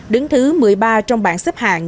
đứng thứ một mươi ba trong bảng xếp hàng